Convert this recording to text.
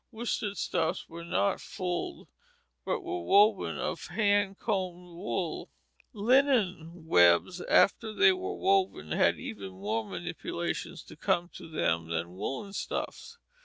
Worsted stuffs were not fulled, but were woven of hand combed wool. Linen webs after they were woven had even more manipulations to come to them than woollen stuffs.